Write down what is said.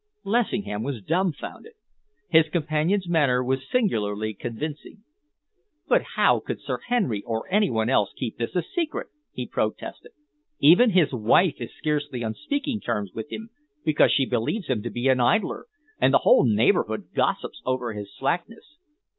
Lessingham was dumbfounded. His companion's manner was singularly convincing. "But how could Sir Henry or any one else keep this a secret?" he protested. "Even his wife is scarcely on speaking terms with him because she believes him to be an idler, and the whole neighbourhood gossips over his slackness."